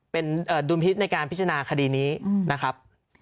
เป็นดุลพิษในการพิจารณาคดีนี้นะครับ